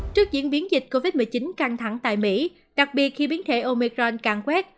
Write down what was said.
trước diễn biến dịch covid một mươi chín căng thẳng tại mỹ đặc biệt khi biến thể omecron càng quét